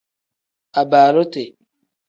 Abaaluti.